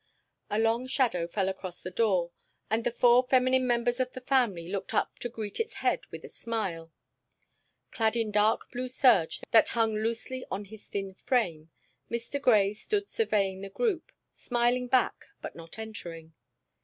A long shadow fell across the door, and the four feminine members of the family looked up to greet its head with a smile. Clad in dark blue serge that hung loosely on his thin frame, Mr. Grey stood surveying the group, smiling back, but not entering.